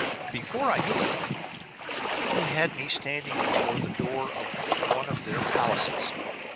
"] Before I knew it, he had me standing before the door of one of their palaces.